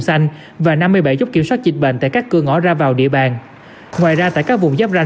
xanh và năm mươi bảy chốt kiểm soát dịch bệnh tại các cửa ngõ ra vào địa bàn ngoài ra tại các vùng giáp ranh